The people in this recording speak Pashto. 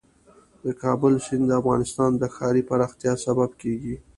د کابل سیند د افغانستان د ښاري پراختیا سبب کېږي.